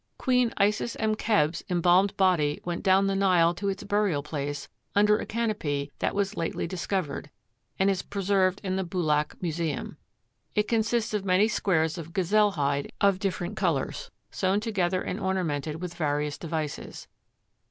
Queen Isis em Kheb's embalmed body went down the Nile to its burial place under a canopy that was lately discovered, and is preserved in the Boulak Museum. It consists of many squares of gazelle hide of different colours sewn together and ornamented with various devices.